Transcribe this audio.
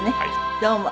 どうも。